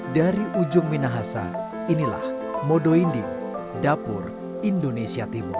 dari ujung minahasa inilah modo indi dapur indonesia timur